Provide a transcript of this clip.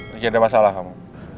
lagi ada masalah kamu